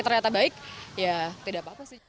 ternyata baik ya tidak apa apa sih